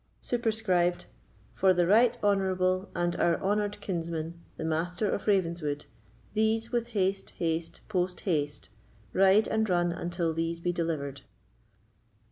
Superscribed—"For the right honourable, and our honoured kinsman, the Master of Ravenswood—These, with haste, haste, post haste—ride and run until these be delivered."